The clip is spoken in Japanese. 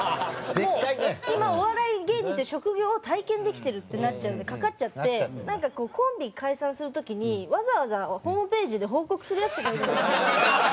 今お笑い芸人っていう職業を体験できてるってなっちゃうんでかかっちゃってなんかこうコンビ解散する時にわざわざホームページで報告するヤツとかいるんですよ。